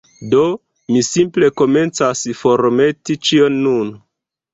Do, mi simple komencas formeti ĉion nun